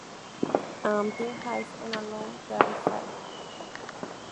Antti Haase en illume.fi